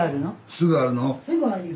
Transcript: すぐあるよ。